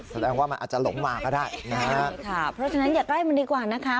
แสดงว่ามันอาจจะหลงมาก็ได้นะฮะใช่ค่ะเพราะฉะนั้นอย่าใกล้มันดีกว่านะคะ